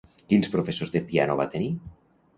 Quins professors de piano va tenir?